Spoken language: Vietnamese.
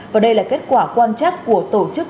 và đây là kết quả quan chắc của tổ chức